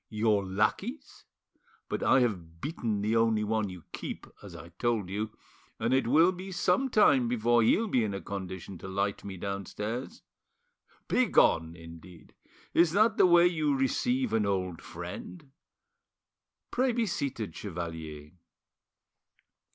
Your lackeys? But I have beaten the only one you keep, as I told you, and it will be some time before he'll be in a condition to light me downstairs: 'Begone,' indeed! Is that the way you receive an old friend? Pray be seated, chevalier."